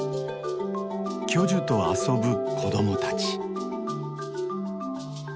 巨樹と遊ぶ子供たち。